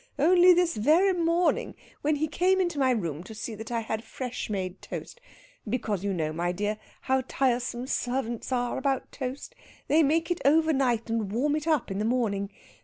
"Only this very morning, when he came into my room to see that I had fresh made toast because you know, my dear, how tiresome servants are about toast they make it overnight, and warm it up in the morning.